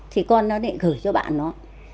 thì con nó định gửi cho bạn nó